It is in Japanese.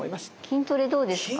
筋トレどうですか？